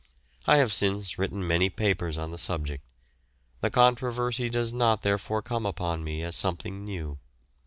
I have since written many papers on the subject; the controversy does not therefore come upon me as something new.